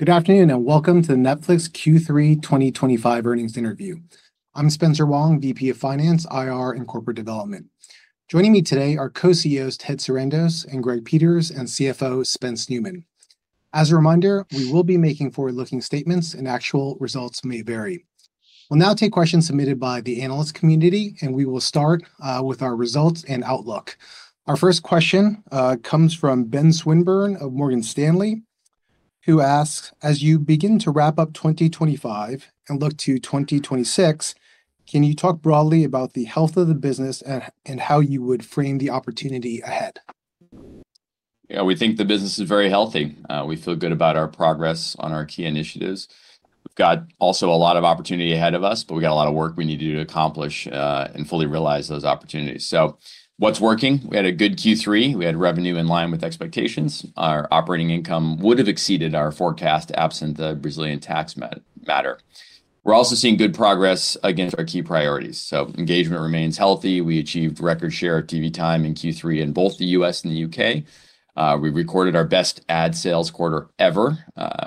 Good afternoon and welcome to the Netflix Q3 2025 earnings interview. I'm Spencer Wang, VP of Finance, IR, and Corporate Development. Joining me today are Co-CEOs Ted Sarandos and Greg Peters, and CFO Spence Neumann. As a reminder, we will be making forward-looking statements, and actual results may vary. We'll now take questions submitted by the analyst community, and we will start with our results and outlook. Our first question comes from Ben Swinburne of Morgan Stanley, who asks, "As you begin to wrap up 2025 and look to 2026, can you talk broadly about the health of the business and how you would frame the opportunity ahead? Yeah, we think the business is very healthy. We feel good about our progress on our key initiatives. We've got also a lot of opportunity ahead of us, but we've got a lot of work we need to do to accomplish and fully realize those opportunities. What's working? We had a good Q3. We had revenue in line with expectations. Our operating income would have exceeded our forecast absent the Brazilian tax matter. We're also seeing good progress against our key priorities. Engagement remains healthy. We achieved record share TV time in Q3 in both the U.S. and the U.K. We recorded our best ad sales quarter ever.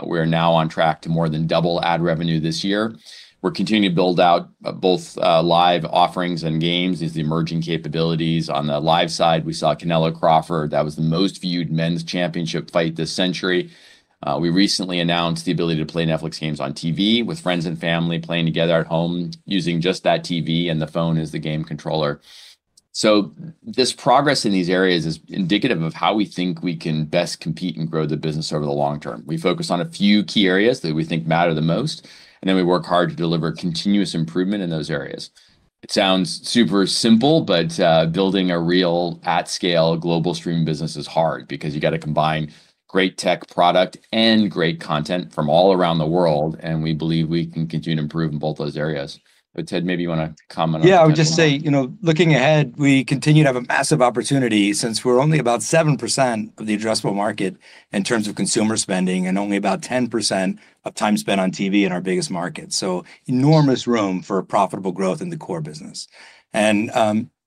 We are now on track to more than double ad revenue this year. We're continuing to build out both live offerings and games using emerging capabilities. On the live side, we saw Canelo Crawford. That was the most viewed men's championship fight this century. We recently announced the ability to play Netflix games on TV with friends and family playing together at home using just that TV and the phone as the game controller. This progress in these areas is indicative of how we think we can best compete and grow the business over the long term. We focus on a few key areas that we think matter the most, and then we work hard to deliver continuous improvement in those areas. It sounds super simple, but building a real at-scale global streaming business is hard because you've got to combine great tech product and great content from all around the world, and we believe we can continue to improve in both those areas. Ted, maybe you want to comment on that? Yeah, I would just say, you know, looking ahead, we continue to have a massive opportunity since we're only about 7% of the addressable market in terms of consumer spending and only about 10% of time spent on TV in our biggest market. There is enormous room for profitable growth in the core business.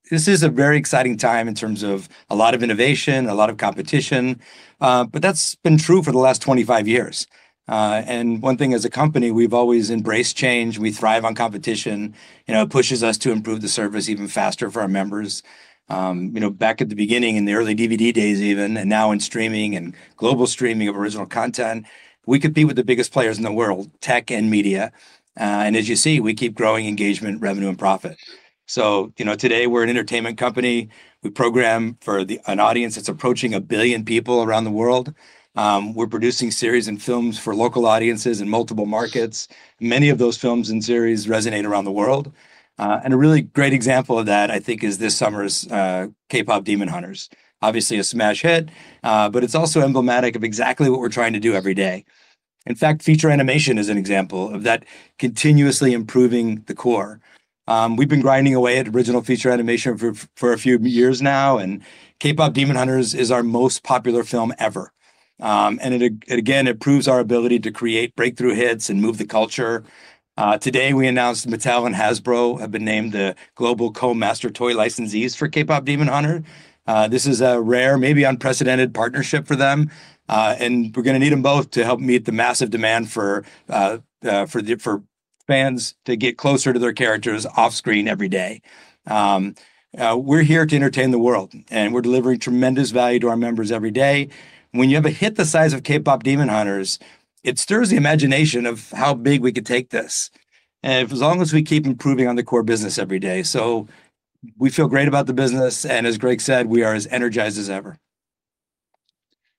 This is a very exciting time in terms of a lot of innovation, a lot of competition, but that's been true for the last 25 years. One thing as a company, we've always embraced change. We thrive on competition. It pushes us to improve the service even faster for our members. Back at the beginning, in the early DVD days even, and now in streaming and global streaming of original content, we compete with the biggest players in the world, tech and media. As you see, we keep growing engagement, revenue, and profit. Today we're an entertainment company. We program for an audience that's approaching a billion people around the world. We're producing series and films for local audiences in multiple markets. Many of those films and series resonate around the world. A really great example of that, I think, is this summer's K-pop, Demon Hunters. Obviously a smash hit, but it's also emblematic of exactly what we're trying to do every day. In fact, feature animation is an example of that, continuously improving the core. We've been grinding away at original feature animation for a few years now, and K-pop, Demon Hunters is our most popular film ever. It, again, proves our ability to create breakthrough hits and move the culture. Today, we announced Mattel and Hasbro have been named the global co-master toy licensees for K-pop, Demon Hunters. This is a rare, maybe unprecedented partnership for them. We're going to need them both to help meet the massive demand for fans to get closer to their characters off screen every day. We're here to entertain the world, and we're delivering tremendous value to our members every day. When you have a hit the size of K-pop, Demon Hunters, it stirs the imagination of how big we could take this. As long as we keep improving on the core business every day, we feel great about the business, and as Greg said, we are as energized as ever.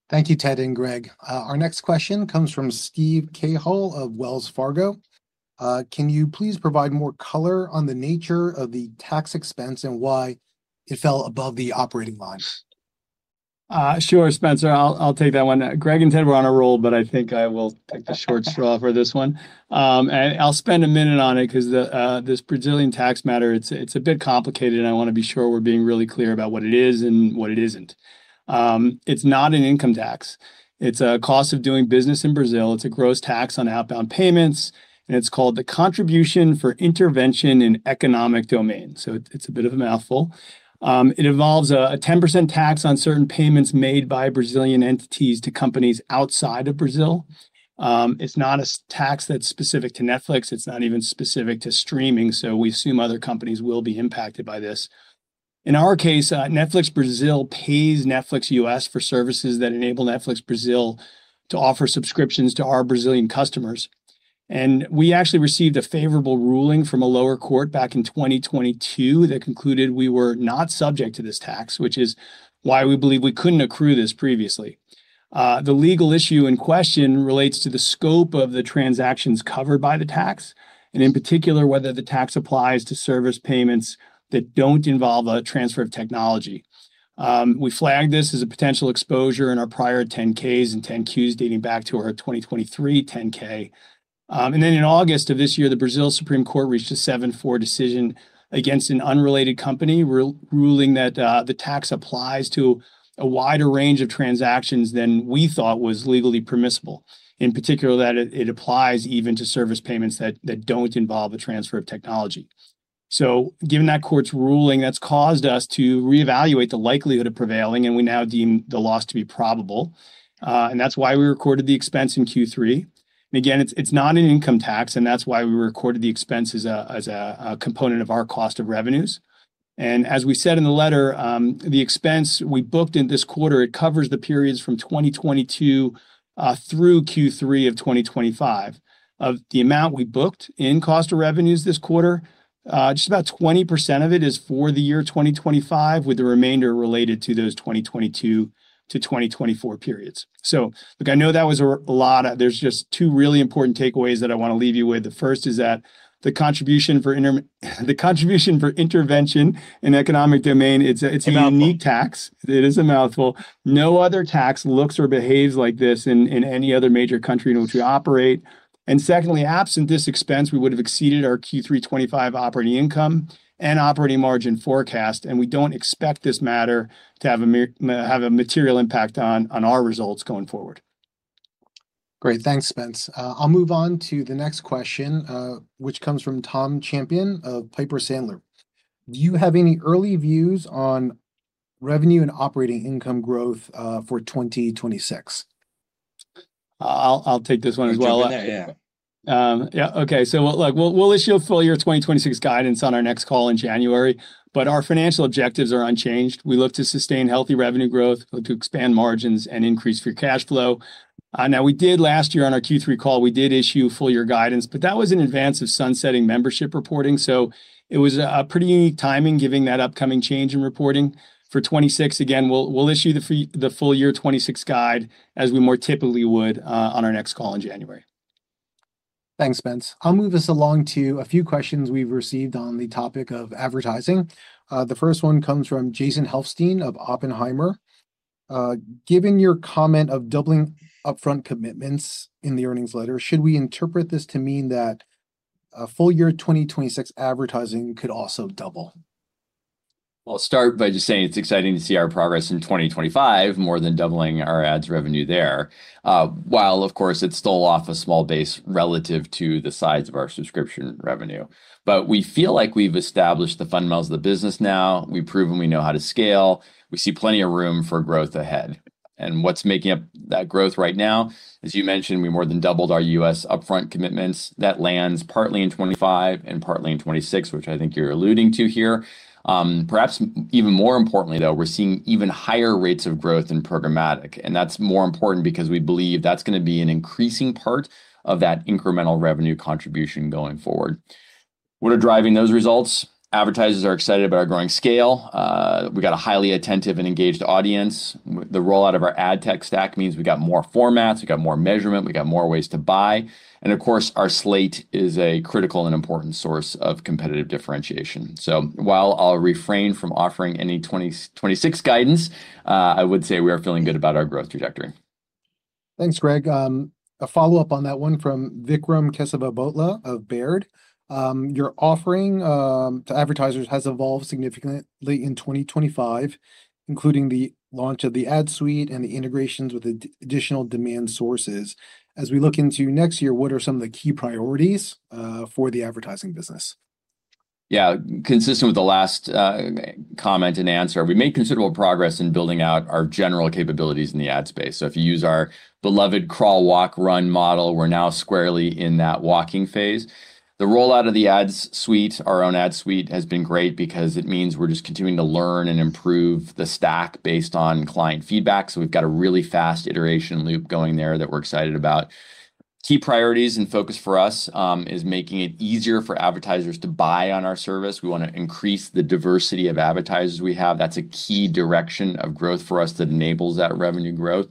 Thank you, Ted and Greg. Our next question comes from Steve Cahill of Wells Fargo. Can you please provide more color on the nature of the tax expense and why it fell above the operating line? Sure, Spencer, I'll take that one. Greg and Ted were on a roll, but I think I will take the short straw for this one. I'll spend a minute on it because this Brazilian tax matter, it's a bit complicated, and I want to be sure we're being really clear about what it is and what it isn't. It's not an income tax. It's a cost of doing business in Brazil. It's a gross tax on outbound payments, and it's called the Contribution for Intervention in Economic Domain. It's a bit of a mouthful. It involves a 10% tax on certain payments made by Brazilian entities to companies outside of Brazil. It's not a tax that's specific to Netflix. It's not even specific to streaming. We assume other companies will be impacted by this. In our case, Netflix Brazil pays Netflix US for services that enable Netflix Brazil to offer subscriptions to our Brazilian customers. We actually received a favorable ruling from a lower court back in 2022 that concluded we were not subject to this tax, which is why we believe we couldn't accrue this previously. The legal issue in question relates to the scope of the transactions covered by the tax, and in particular whether the tax applies to service payments that don't involve a transfer of technology. We flagged this as a potential exposure in our prior 10-Ks and 10-Qs dating back to our 2023 10-K. In August of this year, the Brazil Supreme Court reached a 7-4 decision against an unrelated company ruling that the tax applies to a wider range of transactions than we thought was legally permissible, in particular that it applies even to service payments that don't involve a transfer of technology. Given that court's ruling, that's caused us to reevaluate the likelihood of prevailing, and we now deem the loss to be probable. That's why we recorded the expense in Q3. Again, it's not an income tax, and that's why we recorded the expense as a component of our cost of revenues. As we said in the letter, the expense we booked in this quarter covers the periods from 2022 through Q3 of 2025. Of the amount we booked in cost of revenues this quarter, just about 20% of it is for the year 2025, with the remainder related to those 2022 to 2024 periods. I know that was a lot. There are just two really important takeaways that I want to leave you with. The first is that the Contribution for Intervention in Economic Domain is a unique tax. It is a mouthful. No other tax looks or behaves like this in any other major country in which we operate. Secondly, absent this expense, we would have exceeded our Q3 2025 operating income and operating margin forecast, and we don't expect this matter to have a material impact on our results going forward. Great, thanks, Spence. I'll move on to the next question, which comes from Tom Champion of Piper Sandler. Do you have any early views on revenue and operating income growth for 2026? I'll take this one as well. Yeah, okay. Look, we'll issue a full year 2026 guidance on our next call in January, but our financial objectives are unchanged. We look to sustain healthy revenue growth, look to expand margins, and increase free cash flow. Now, we did last year on our Q3 call, we did issue full year guidance, but that was in advance of sunsetting membership reporting. It was a pretty unique timing given that upcoming change in reporting. For 2026, again, we'll issue the full year 2026 guide as we more typically would on our next call in January. Thanks, Spence. I'll move us along to a few questions we've received on the topic of advertising. The first one comes from Jason Helfstein of Oppenheimer. Given your comment of doubling upfront commitments in the earnings letter, should we interpret this to mean that full year 2026 advertising could also double? It's exciting to see our progress in 2025, more than doubling our ads revenue there, while, of course, it's still off a small base relative to the size of our subscription revenue. We feel like we've established the fundamentals of the business now. We've proven we know how to scale. We see plenty of room for growth ahead. What's making up that growth right now, as you mentioned, we more than doubled our U.S. upfront commitments. That lands partly in 2025 and partly in 2026, which I think you're alluding to here. Perhaps even more importantly, though, we're seeing even higher rates of growth in programmatic. That's more important because we believe that's going to be an increasing part of that incremental revenue contribution going forward. What are driving those results? Advertisers are excited about our growing scale. We've got a highly attentive and engaged audience. The rollout of our ad tech stack means we've got more formats, we've got more measurement, we've got more ways to buy. Our slate is a critical and important source of competitive differentiation. While I'll refrain from offering any 2026 guidance, I would say we are feeling good about our growth trajectory. Thanks, Greg. A follow-up on that one from Vikram Kesavabotla of Baird. Your offering to advertisers has evolved significantly in 2024, including the launch of the Netflix ad suite and the integrations with additional demand sources. As we look into next year, what are some of the key priorities for the advertising business? Yeah, consistent with the last comment and answer, we made considerable progress in building out our general capabilities in the ad space. If you use our beloved crawl, walk, run model, we're now squarely in that walking phase. The rollout of the Netflix ad suite, our own ad suite, has been great because it means we're just continuing to learn and improve the stack based on client feedback. We've got a really fast iteration loop going there that we're excited about. Key priorities and focus for us is making it easier for advertisers to buy on our service. We want to increase the diversity of advertisers we have. That's a key direction of growth for us that enables that revenue growth.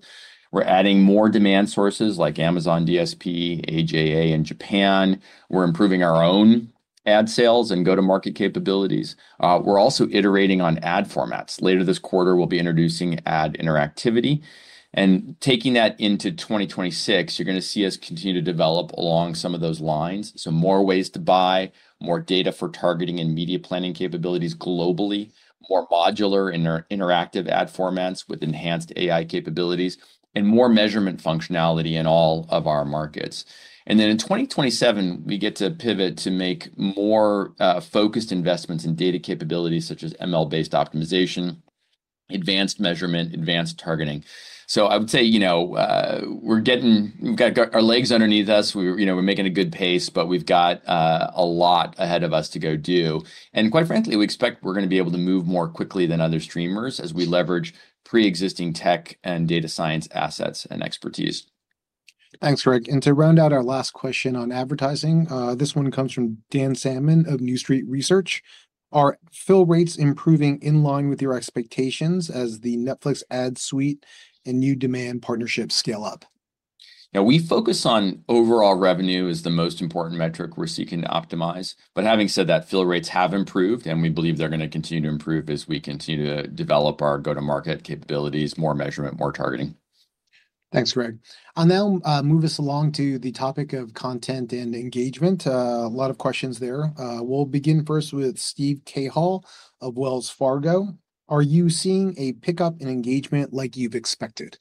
We're adding more demand sources like Amazon DSP, AJA, and Japan. We're improving our own ad sales and go-to-market capabilities. We're also iterating on ad formats. Later this quarter, we'll be introducing ad interactivity. Taking that into 2026, you're going to see us continue to develop along some of those lines. More ways to buy, more data for targeting and media planning capabilities globally, more modular and interactive ad formats with enhanced AI capabilities, and more measurement functionality in all of our markets. In 2027, we get to pivot to make more focused investments in data capabilities such as machine learning-based optimization, advanced measurement, advanced targeting. I would say we're getting, we've got our legs underneath us. We're making a good pace, but we've got a lot ahead of us to go do. Quite frankly, we expect we're going to be able to move more quickly than other streamers as we leverage pre-existing tech and data science assets and expertise. Thanks, Greg. To round out our last question on advertising, this one comes from Dan Salmon of New Street Research. Are fill rates improving in line with your expectations as the Netflix ad suite and new demand partnerships scale up? Yeah, we focus on overall revenue as the most important metric we're seeking to optimize. Having said that, fill rates have improved, and we believe they're going to continue to improve as we continue to develop our go-to-market capabilities, more measurement, more targeting. Thanks, Greg. I'll now move us along to the topic of content and engagement. A lot of questions there. We'll begin first with Steve Cahill of Wells Fargo. Are you seeing a pickup in engagement like you've expected?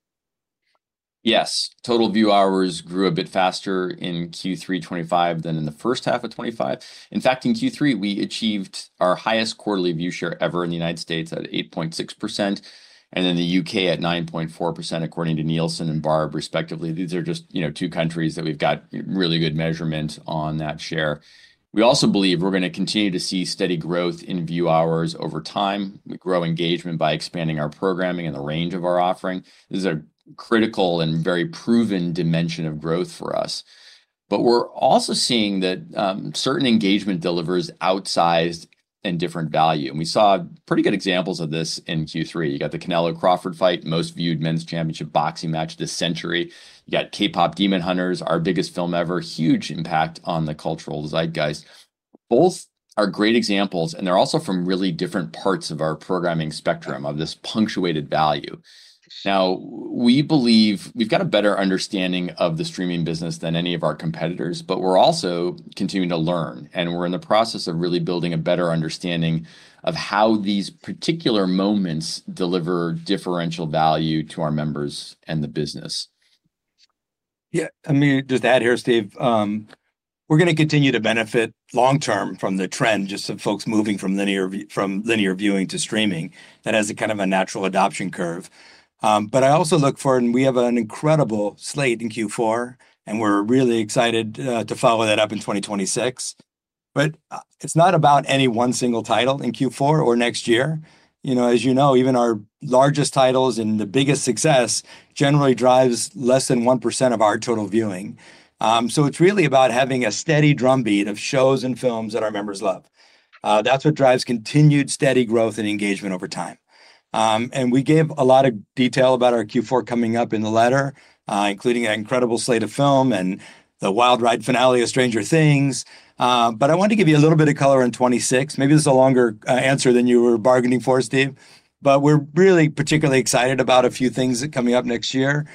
Yes, total view hours grew a bit faster in Q3 2025 than in the first half of 2025. In fact, in Q3, we achieved our highest quarterly view share ever in the U.S. at 8.6%, and in the U.K., at 9.4%, according to Nielsen and BARB, respectively. These are just, you know, two countries that we've got really good measurement on that share. We also believe we're going to continue to see steady growth in view hours over time. We grow engagement by expanding our programming and the range of our offering. This is a critical and very proven dimension of growth for us. We're also seeing that certain engagement delivers outsized and different value. We saw pretty good examples of this in Q3. You got the Canelo Crawford fight, most viewed men's championship boxing match this century. You got K-pop, Demon Hunters, our biggest film ever, huge impact on the cultural zeitgeist. Both are great examples, and they're also from really different parts of our programming spectrum of this punctuated value. We believe we've got a better understanding of the streaming business than any of our competitors, but we're also continuing to learn, and we're in the process of really building a better understanding of how these particular moments deliver differential value to our members and the business. Yeah, I mean, just to add here, Steve, we're going to continue to benefit long-term from the trend just of folks moving from linear viewing to streaming. That has a kind of a natural adoption curve. I also look forward, and we have an incredible slate in Q4, and we're really excited to follow that up in 2026. It's not about any one single title in Q4 or next year. You know, as you know, even our largest titles and the biggest success generally drive less than 1% of our total viewing. It's really about having a steady drumbeat of shows and films that our members love. That's what drives continued steady growth and engagement over time. We gave a lot of detail about our Q4 coming up in the letter, including an incredible slate of film and the wild ride finale of Stranger Things. I wanted to give you a little bit of color in 2026. Maybe this is a longer answer than you were bargaining for, Steve. We're really particularly excited about a few things coming up next year,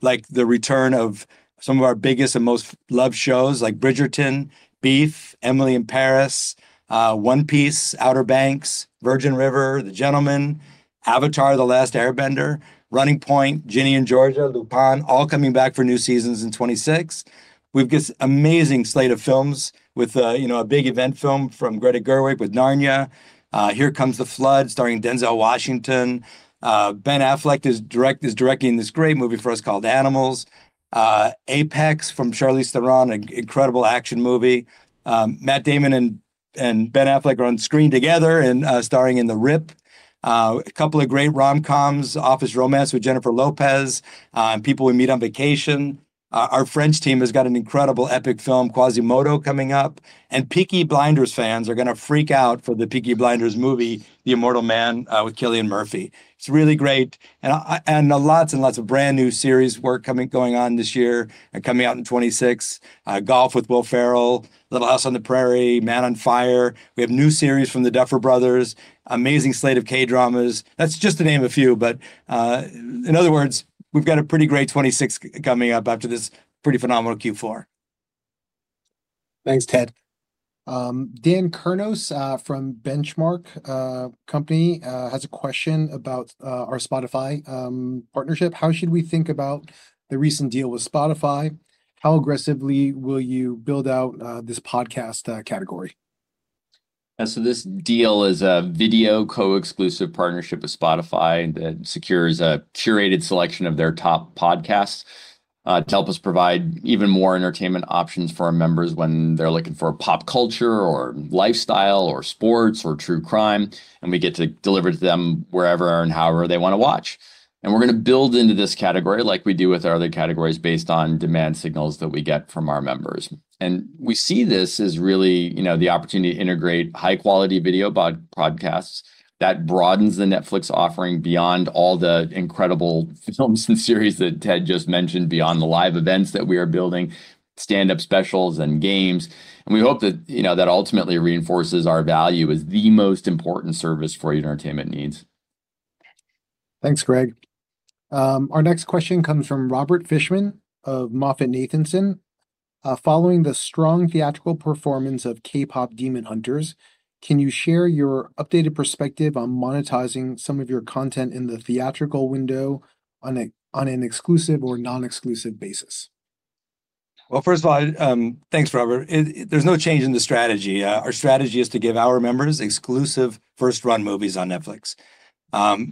like the return of some of our biggest and most loved shows like Bridgerton, Beef, Emily in Paris, One Piece, Outer Banks, Virgin River, The Gentlemen, Avatar: The Last Airbender, Running Point, Ginny and Georgia, Lupin, all coming back for new seasons in 2026. We've got an amazing slate of films with a big event film from Greta Gerwig with Narnia. Here Comes the Flood, starring Denzel Washington. Ben Affleck is directing this great movie for us called Animals. Apex from Charlize Theron, an incredible action movie. Matt Damon and Ben Affleck are on screen together and starring in The Rip. A couple of great rom-coms, Office Romance with Jennifer Lopez, and People We Meet on Vacation. Our French team has got an incredible epic film, Quasimodo, coming up. Peaky Blinders fans are going to freak out for the Peaky Blinders movie, The Immortal Man, with Cillian Murphy. It's really great. Lots and lots of brand new series work coming on this year and coming out in 2026. Golf with Will Ferrell, Little House on the Prairie, Man on Fire. We have new series from the Duffer Brothers, amazing slate of K-dramas. That's just to name a few. In other words, we've got a pretty great 2026 coming up after this pretty phenomenal Q4. Thanks, Ted. Dan Kernos from Benchmark Company has a question about our Spotify partnership. How should we think about the recent deal with Spotify? How aggressively will you build out this podcast category? This deal is a video co-exclusive partnership with Spotify that secures a curated selection of their top podcasts to help us provide even more entertainment options for our members when they're looking for pop culture or lifestyle or sports or true crime. We get to deliver to them wherever and however they want to watch. We're going to build into this category like we do with our other categories based on demand signals that we get from our members. We see this as really the opportunity to integrate high-quality video podcasts that broadens the Netflix offering beyond all the incredible films and series that Ted just mentioned, beyond the live events that we are building, stand-up specials and games. We hope that ultimately reinforces our value as the most important service for your entertainment needs. Thanks, Greg. Our next question comes from Robert Fishman of Moffett Nathanson. Following the strong theatrical performance of K-pop, Demon Hunters, can you share your updated perspective on monetizing some of your content in the theatrical window on an exclusive or non-exclusive basis? First of all, thanks, Robert. There's no change in the strategy. Our strategy is to give our members exclusive first-run movies on Netflix.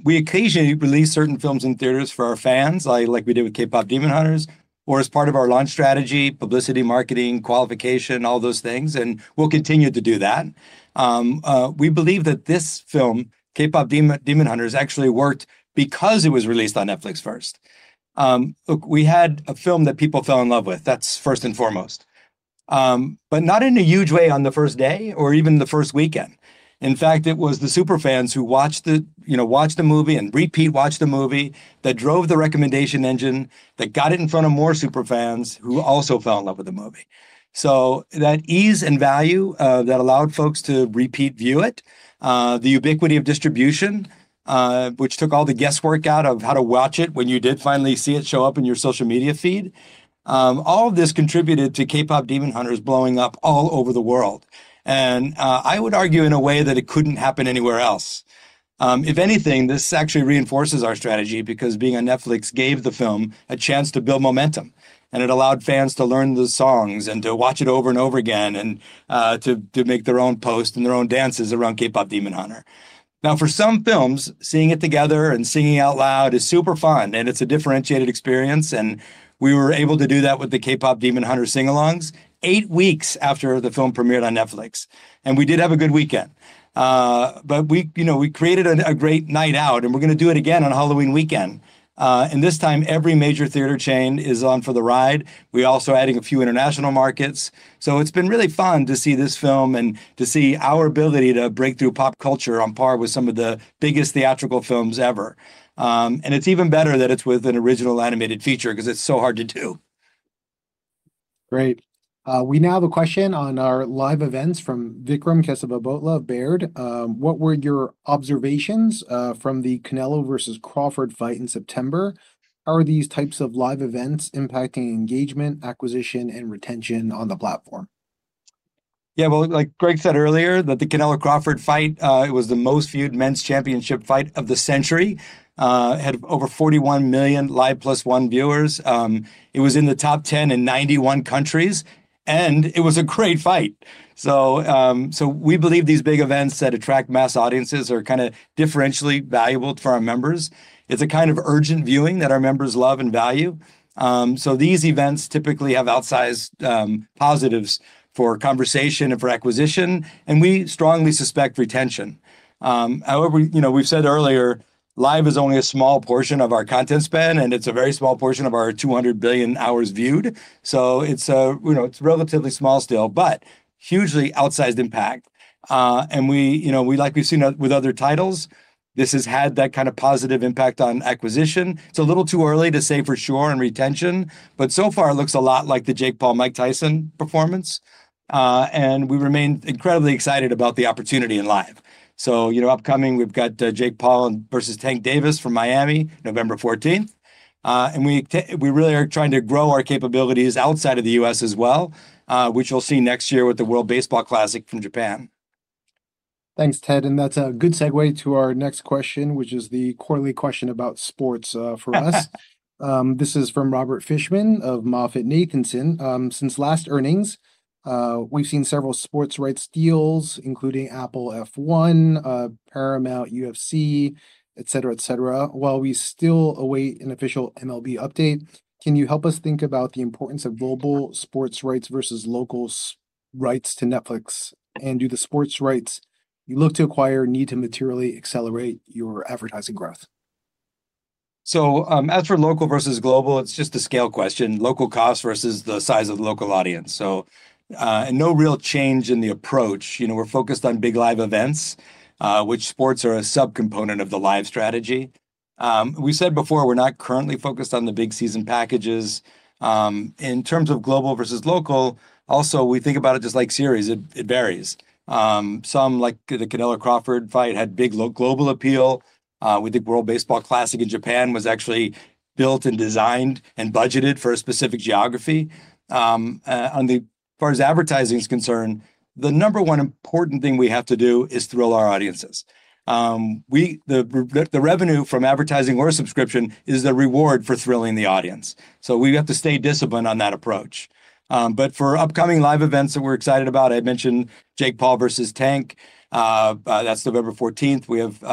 We occasionally release certain films in theaters for our fans, like we did with K-pop, Demon Hunters, or as part of our launch strategy, publicity, marketing, qualification, all those things. We will continue to do that. We believe that this film, K-pop, Demon Hunters, actually worked because it was released on Netflix first. Look, we had a film that people fell in love with. That's first and foremost. Not in a huge way on the first day or even the first weekend. In fact, it was the super fans who watched the movie and repeat-watched the movie that drove the recommendation engine, that got it in front of more super fans who also fell in love with the movie. That ease and value that allowed folks to repeat-view it, the ubiquity of distribution, which took all the guesswork out of how to watch it when you did finally see it show up in your social media feed, all of this contributed to K-pop, Demon Hunters blowing up all over the world. I would argue in a way that it could not happen anywhere else. If anything, this actually reinforces our strategy because being on Netflix gave the film a chance to build momentum. It allowed fans to learn the songs and to watch it over and over again and to make their own posts and their own dances around K-pop, Demon Hunters. For some films, seeing it together and singing out loud is super fun. It's a differentiated experience. We were able to do that with the K-pop, Demon Hunters sing-alongs eight weeks after the film premiered on Netflix. We did have a good weekend. We created a great night out. We are going to do it again on Halloween weekend. This time, every major theater chain is on for the ride. We are also adding a few international markets. It's been really fun to see this film and to see our ability to break through pop culture on par with some of the biggest theatrical films ever. It's even better that it's with an original animated feature because it's so hard to do. Great. We now have a question on our live events from Vikram Kesavabotla of Baird. What were your observations from the Canelo versus Crawford fight in September? How are these types of live events impacting engagement, acquisition, and retention on the platform? Yeah, like Greg said earlier, the Canelo Crawford fight was the most viewed men's championship fight of the century. It had over 41 million live plus one viewers. It was in the top 10 in 91 countries, and it was a great fight. We believe these big events that attract mass audiences are kind of differentially valuable for our members. It's a kind of urgent viewing that our members love and value. These events typically have outsized positives for conversation and for acquisition, and we strongly suspect retention. However, we've said earlier, live is only a small portion of our content span, and it's a very small portion of our 200 billion hours viewed. It's relatively small still, but hugely outsized impact. Like we've seen with other titles, this has had that kind of positive impact on acquisition. It's a little too early to say for sure on retention, but so far, it looks a lot like the Jake Paul/Mike Tyson performance. We remain incredibly excited about the opportunity in live. Upcoming, we've got Jake Paul versus Tank Davis from Miami, November 14th. We really are trying to grow our capabilities outside of the U.S. as well, which you'll see next year with the World Baseball Classic from Japan. Thanks, Ted. That's a good segue to our next question, which is the quarterly question about sports for us. This is from Robert Fishman of MoffettNathanson. Since last earnings, we've seen several sports rights deals, including Apple F1, Paramount UFC, etc. While we still await an official MLB update, can you help us think about the importance of global sports rights versus local rights to Netflix? Do the sports rights you look to acquire need to materially accelerate your advertising growth? As for local versus global, it's just a scale question. Local cost versus the size of the local audience. No real change in the approach. We're focused on big live events, which sports are a subcomponent of the live strategy. We've said before, we're not currently focused on the big season packages. In terms of global versus local, we think about it just like series. It varies. Some, like the Canelo Crawford fight, had big global appeal. We think World Baseball Classic in Japan was actually built and designed and budgeted for a specific geography. As far as advertising is concerned, the number one important thing we have to do is thrill our audiences. The revenue from advertising or subscription is the reward for thrilling the audience. We have to stay disciplined on that approach. For upcoming live events that we're excited about, I had mentioned Jake Paul versus Tank. That's November 14th. We have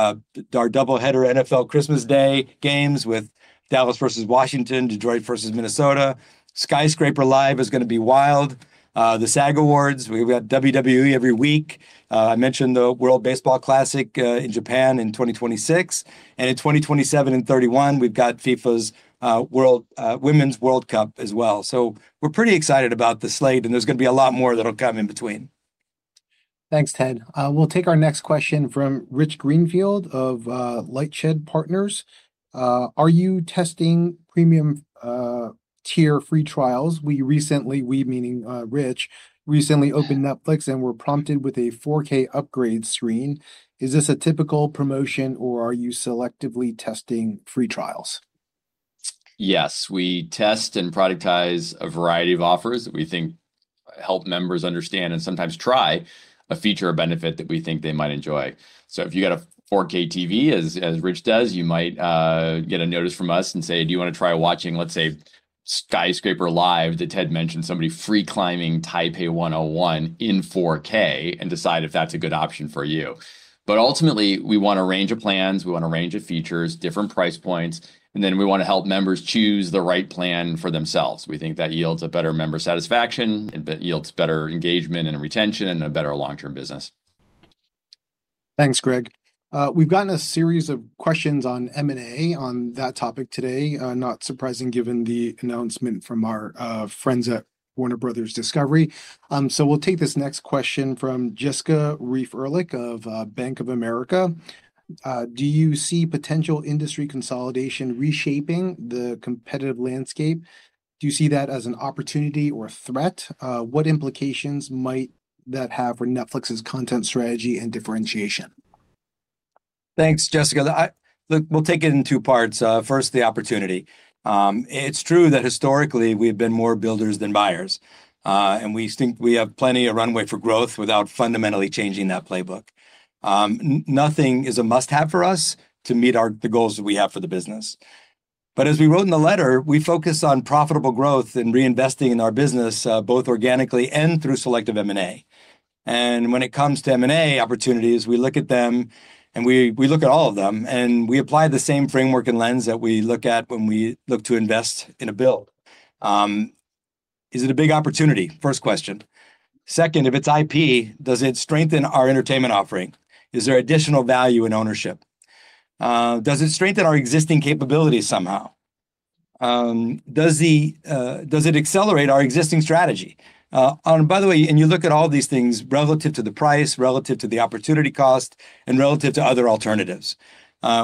our double-header NFL Christmas Day games with Dallas versus Washington, Detroit versus Minnesota. Skyscraper Live is going to be wild. The SAG Awards, we've got WWE every week. I mentioned the World Baseball Classic in Japan in 2026. In 2027 and 2031, we've got FIFA's Women's World Cup as well. We're pretty excited about the slate. There's going to be a lot more that'll come in between. Thanks, Ted. We'll take our next question from Rich Greenfield of Lightshed Partners. Are you testing premium-tier free trials? We recently, we meaning Rich, recently opened Netflix and were prompted with a 4K upgrade screen. Is this a typical promotion or are you selectively testing free trials? Yes, we test and productize a variety of offers that we think help members understand and sometimes try a feature or benefit that we think they might enjoy. If you got a 4K TV, as Rich does, you might get a notice from us and say, do you want to try watching, let's say, Skyscraper Live, that Ted mentioned, somebody free climbing Taipei 101 in 4K and decide if that's a good option for you. Ultimately, we want a range of plans. We want a range of features, different price points. We want to help members choose the right plan for themselves. We think that yields better member satisfaction and yields better engagement and retention and a better long-term business. Thanks, Greg. We've gotten a series of questions on M&A on that topic today, not surprising given the announcement from our friends at Warner Brothers Discovery. We'll take this next question from Jessica Reif-Ehrlich of Bank of America. Do you see potential industry consolidation reshaping the competitive landscape? Do you see that as an opportunity or a threat? What implications might that have for Netflix's content strategy and differentiation? Thanks, Jessica. Look, we'll take it in two parts. First, the opportunity. It's true that historically, we've been more builders than buyers, and we think we have plenty of runway for growth without fundamentally changing that playbook. Nothing is a must-have for us to meet the goals that we have for the business. As we wrote in the letter, we focus on profitable growth and reinvesting in our business, both organically and through selective M&A. When it comes to M&A opportunities, we look at them and we look at all of them. We apply the same framework and lens that we look at when we look to invest in a build. Is it a big opportunity? First question. Second, if it's IP, does it strengthen our entertainment offering? Is there additional value in ownership? Does it strengthen our existing capabilities somehow? Does it accelerate our existing strategy? By the way, you look at all these things relative to the price, relative to the opportunity cost, and relative to other alternatives.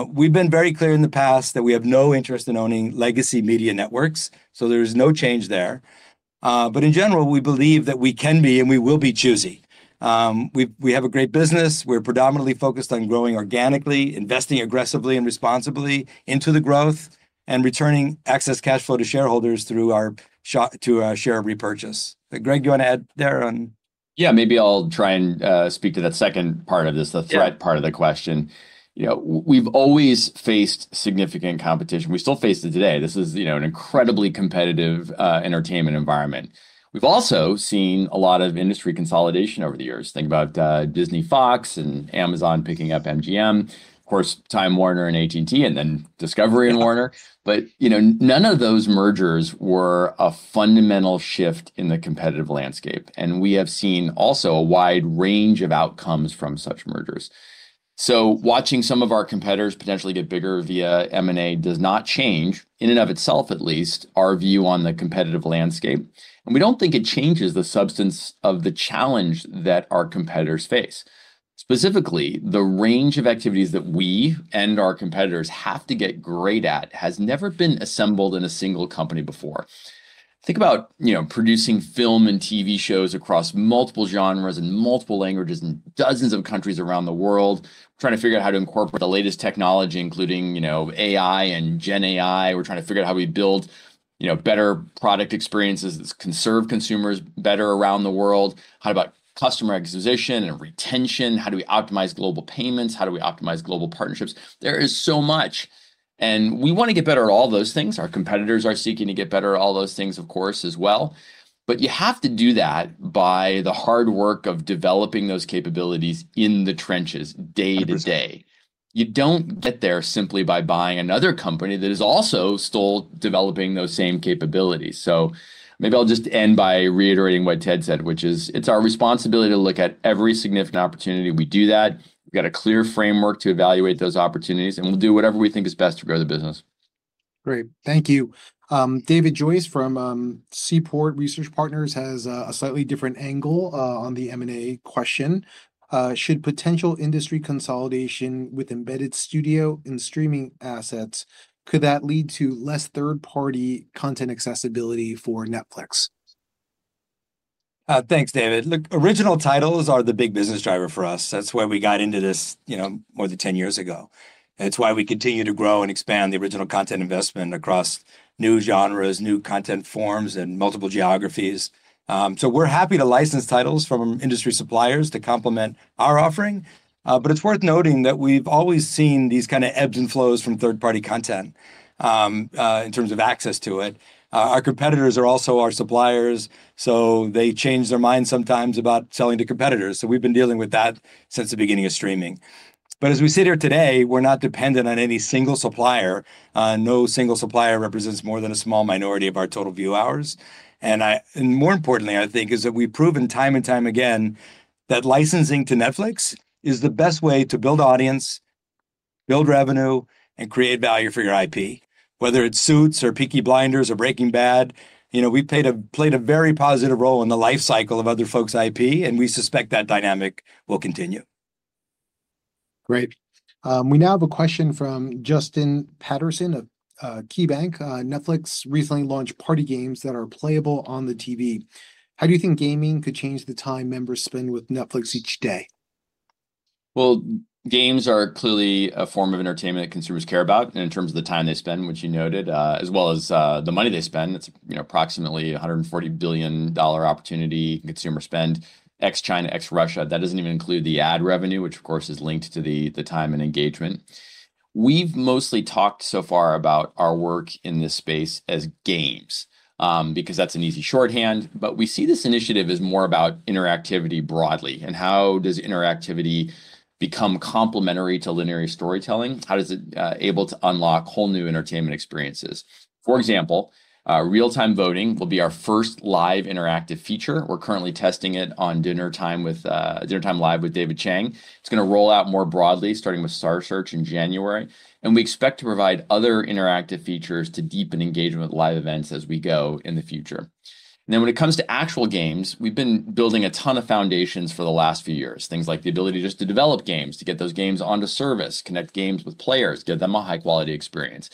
We've been very clear in the past that we have no interest in owning legacy media networks. There is no change there. In general, we believe that we can be and we will be choosy. We have a great business. We're predominantly focused on growing organically, investing aggressively and responsibly into the growth, and returning excess cash flow to shareholders through our share repurchase. Greg, do you want to add there on? Maybe I'll try and speak to that second part of this, the threat part of the question. We've always faced significant competition. We still face it today. This is an incredibly competitive entertainment environment. We've also seen a lot of industry consolidation over the years. Think about Disney Fox and Amazon picking up MGM, of course, Time Warner and AT&T, and then Discovery and Warner. None of those mergers were a fundamental shift in the competitive landscape. We have seen also a wide range of outcomes from such mergers. Watching some of our competitors potentially get bigger via M&A does not change, in and of itself at least, our view on the competitive landscape. We don't think it changes the substance of the challenge that our competitors face. Specifically, the range of activities that we and our competitors have to get great at has never been assembled in a single company before. Think about producing film and TV shows across multiple genres and multiple languages in dozens of countries around the world, trying to figure out how to incorporate the latest technology, including AI and generative AI. We're trying to figure out how we build better product experiences that can serve consumers better around the world. How about customer acquisition and retention? How do we optimize global payments? How do we optimize global partnerships? There is so much. We want to get better at all those things. Our competitors are seeking to get better at all those things, of course, as well. You have to do that by the hard work of developing those capabilities in the trenches day to day. You don't get there simply by buying another company that is also still developing those same capabilities. Maybe I'll just end by reiterating what Ted said, which is it's our responsibility to look at every significant opportunity. We do that. We've got a clear framework to evaluate those opportunities. We'll do whatever we think is best to grow the business. Great. Thank you. David Joyce from Seaport Research Partners has a slightly different angle on the M&A question. Should potential industry consolidation with embedded studio and streaming assets, could that lead to less third-party content accessibility for Netflix? Thanks, David. Look, original titles are the big business driver for us. That's why we got into this, you know, more than 10 years ago. It's why we continue to grow and expand the original content investment across new genres, new content forms, and multiple geographies. We're happy to license titles from industry suppliers to complement our offering. It's worth noting that we've always seen these kind of ebbs and flows from third-party content in terms of access to it. Our competitors are also our suppliers. They change their minds sometimes about selling to competitors. We've been dealing with that since the beginning of streaming. As we sit here today, we're not dependent on any single supplier. No single supplier represents more than a small minority of our total view hours. More importantly, I think, is that we've proven time and time again that licensing to Netflix is the best way to build audience, build revenue, and create value for your IP. Whether it's Suits or Peaky Blinders or Breaking Bad, we've played a very positive role in the life cycle of other folks' IP. We suspect that dynamic will continue. Great. We now have a question from Justin Patterson of KeyBanc. Netflix recently launched party games that are playable on the TV. How do you think gaming could change the time members spend with Netflix each day? Games are clearly a form of entertainment that consumers care about. In terms of the time they spend, which you noted, as well as the money they spend, it's approximately a $140 billion opportunity consumer spend, ex-China, ex-Russia. That doesn't even include the ad revenue, which of course is linked to the time and engagement. We've mostly talked so far about our work in this space as games because that's an easy shorthand. We see this initiative as more about interactivity broadly. How does interactivity become complementary to linear storytelling? How is it able to unlock whole new entertainment experiences? For example, real-time voting will be our first live interactive feature. We're currently testing it on Dinner Time Live with David Chang. It's going to roll out more broadly, starting with Star Search in January. We expect to provide other interactive features to deepen engagement with live events as we go in the future. When it comes to actual games, we've been building a ton of foundations for the last few years, things like the ability just to develop games, to get those games onto service, connect games with players, get them a high-quality experience.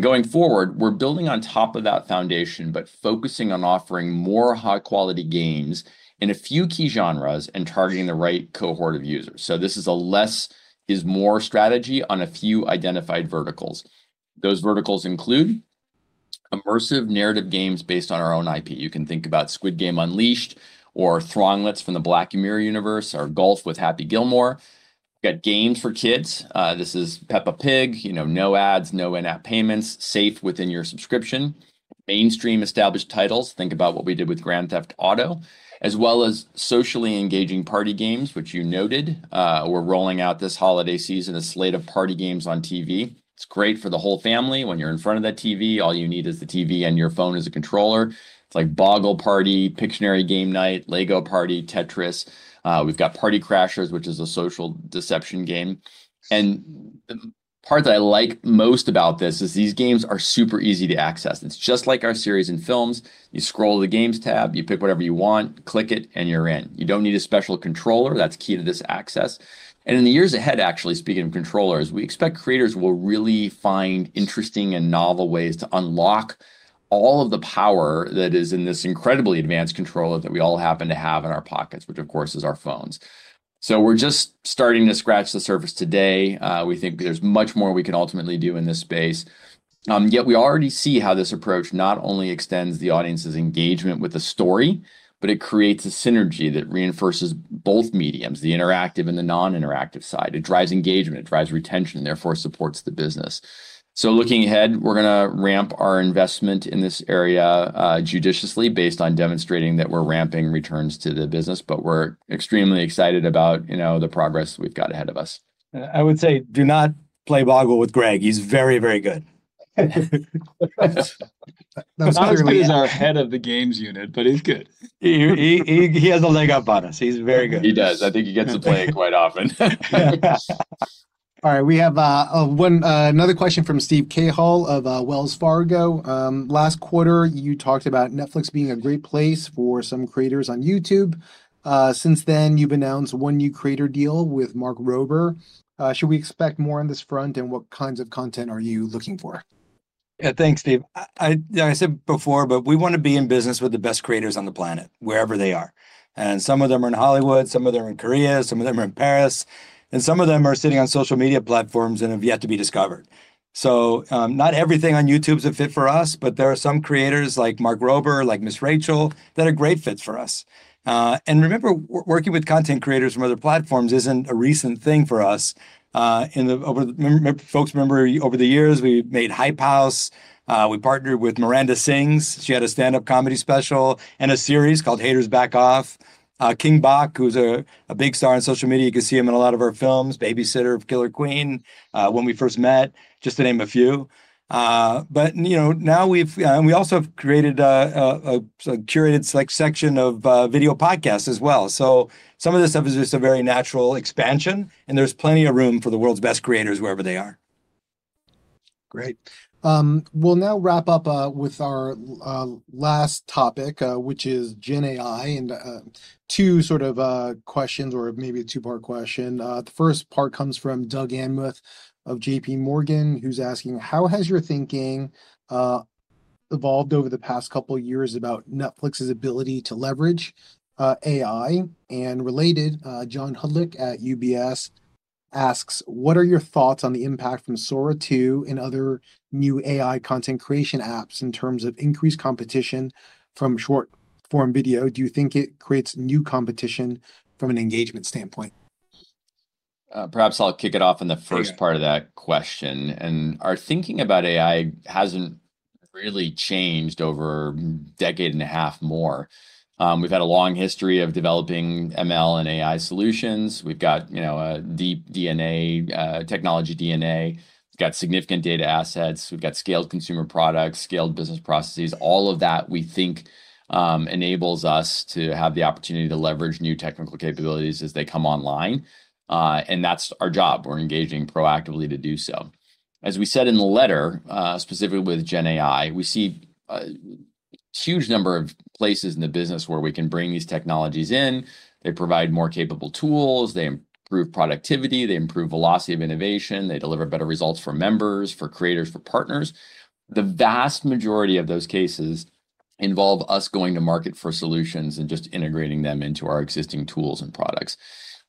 Going forward, we're building on top of that foundation, but focusing on offering more high-quality games in a few key genres and targeting the right cohort of users. This is a less is more strategy on a few identified verticals. Those verticals include immersive narrative games based on our own IP. You can think about Squid Game Unleashed or Thronglets from the Black Mirror universe or Golf with Happy Gilmore. We've got games for kids. This is Peppa Pig, you know, no ads, no in-app payments, safe within your subscription. Mainstream established titles, think about what we did with Grand Theft Auto, as well as socially engaging party games, which you noted. We're rolling out this holiday season a slate of party games on TV. It's great for the whole family. When you're in front of that TV, all you need is the TV and your phone as a controller. It's like Boggle Party, Pictionary Game Night, Lego Party, Tetris. We've got Party Crashers, which is a social deception game. The part that I like most about this is these games are super easy to access. It's just like our series and films. You scroll the games tab, you pick whatever you want, click it, and you're in. You don't need a special controller. That's key to this access. In the years ahead, actually, speaking of controllers, we expect creators will really find interesting and novel ways to unlock all of the power that is in this incredibly advanced controller that we all happen to have in our pockets, which of course is our phones. We're just starting to scratch the surface today. We think there's much more we can ultimately do in this space. We already see how this approach not only extends the audience's engagement with the story, but it creates a synergy that reinforces both mediums, the interactive and the non-interactive side. It drives engagement. It drives retention and therefore supports the business. Looking ahead, we're going to ramp our investment in this area judiciously based on demonstrating that we're ramping returns to the business. We're extremely excited about, you know, the progress we've got ahead of us. I would say do not play Boggle with Greg. He's very, very good. Not as good as our Head of the Games unit, but he's good. He has a leg up on us. He's very good. He does. I think he gets to play quite often. All right, we have another question from Steve Cahill of Wells Fargo. Last quarter, you talked about Netflix being a great place for some creators on YouTube. Since then, you've announced one new creator deal with Mark Rober. Should we expect more on this front, and what kinds of content are you looking for? Yeah, thanks, Steve. I said before, but we want to be in business with the best creators on the planet, wherever they are. Some of them are in Hollywood, some of them are in Korea, some of them are in Paris, and some of them are sitting on social media platforms and have yet to be discovered. Not everything on YouTube is a fit for us, but there are some creators like Mark Rober, like Miss Rachel, that are great fits for us. Remember, working with content creators from other platforms isn't a recent thing for us. Folks remember, over the years, we made Hype House. We partnered with Miranda Sings. She had a stand-up comedy special and a series called Haters Back Off. King Bach, who's a big star on social media, you can see him in a lot of our films, Babysitter Killer Queen, When We First Met, just to name a few. We also have created a curated select section of video podcasts as well. Some of this stuff is just a very natural expansion, and there's plenty of room for the world's best creators wherever they are. Great. We'll now wrap up with our last topic, which is Gen AI and two sort of questions or maybe a two-part question. The first part comes from Doug Anmuth of JPMorgan, who's asking, how has your thinking evolved over the past couple of years about Netflix's ability to leverage AI? Related, John Hudlick at UBS asks, what are your thoughts on the impact from Sora 2 and other new AI content creation apps in terms of increased competition from short-form video? Do you think it creates new competition from an engagement standpoint? Perhaps I'll kick it off in the first part of that question. Our thinking about AI hasn't really changed over a decade and a half or more. We've had a long history of developing machine learning and AI solutions. We've got, you know, a deep technology DNA. We've got significant data assets. We've got scaled consumer products and scaled business processes. All of that, we think, enables us to have the opportunity to leverage new technical capabilities as they come online. That's our job. We're engaging proactively to do so. As we said in the letter, specifically with generative AI, we see a huge number of places in the business where we can bring these technologies in. They provide more capable tools, improve productivity, improve velocity of innovation, and deliver better results for members, creators, and partners. The vast majority of those cases involve us going to market for solutions and just integrating them into our existing tools and products.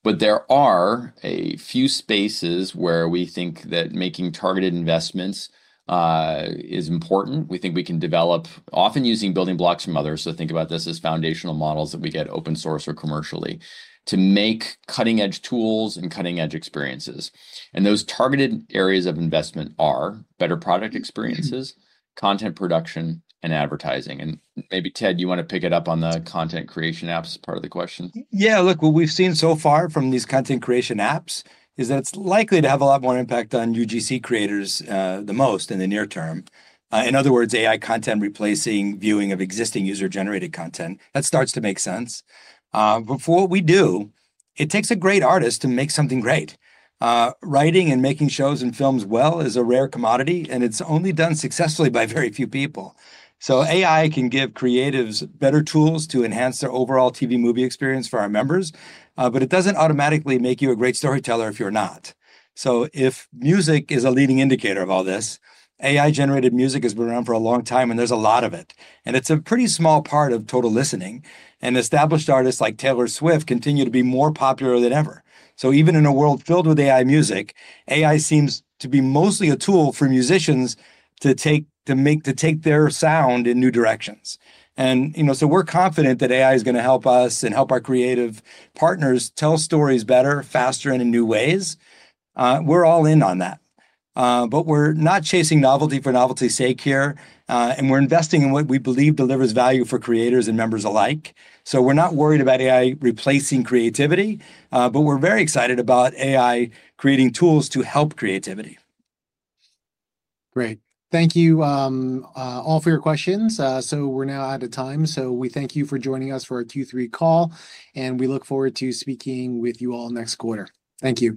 There are a few spaces where we think that making targeted investments is important. We think we can develop, often using building blocks from others. Think about this as foundational models that we get open source or commercially to make cutting-edge tools and cutting-edge experiences. Those targeted areas of investment are better product experiences, content production, and advertising. Maybe, Ted, you want to pick it up on the content creation apps as part of the question? Yeah, look, what we've seen so far from these content creation apps is that it's likely to have a lot more impact on UGC creators the most in the near term. In other words, AI content replacing viewing of existing user-generated content. That starts to make sense. For what we do, it takes a great artist to make something great. Writing and making shows and films well is a rare commodity, and it's only done successfully by very few people. AI can give creatives better tools to enhance their overall TV movie experience for our members, but it doesn't automatically make you a great storyteller if you're not. If music is a leading indicator of all this, AI-generated music has been around for a long time, and there's a lot of it, and it's a pretty small part of total listening. Established artists like Taylor Swift continue to be more popular than ever. Even in a world filled with AI music, AI seems to be mostly a tool for musicians to take their sound in new directions. We're confident that AI is going to help us and help our creative partners tell stories better, faster, and in new ways. We're all in on that. We're not chasing novelty for novelty's sake here, and we're investing in what we believe delivers value for creators and members alike. We're not worried about AI replacing creativity, but we're very excited about AI creating tools to help creativity. Great. Thank you all for your questions. We're now out of time. Thank you for joining us for our Q3 call. We look forward to speaking with you all next quarter. Thank you.